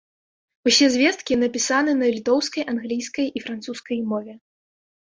Усе звесткі напісаны на літоўскай, англійскай, і французскай мове.